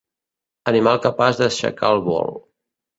Animal capaç d'aixecar el vol.